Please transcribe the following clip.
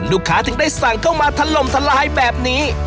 ลูกค้าถึงได้สั่งเข้ามาทะลมทรายแบบนี้